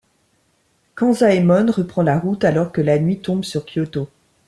Kanzaemon reprend la route alors que la nuit tombe sur Kyoto.